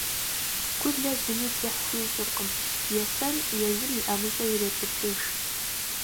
Гулэ зыми дзыхь хуищӀыркъым. Есэн, езым и ӀэмыщӀэ ирепӀыкӀыж.